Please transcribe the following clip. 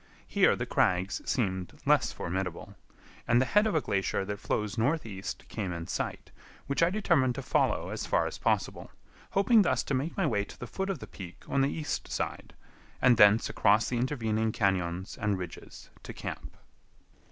Here the crags seemed less formidable, and the head of a glacier that flows northeast came in sight, which I determined to follow as far as possible, hoping thus to make my way to the foot of the peak on the east side, and thence across the intervening cañons and ridges to camp.